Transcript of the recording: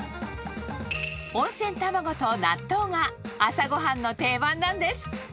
温泉卵と納豆が朝ごはんの定番なんです。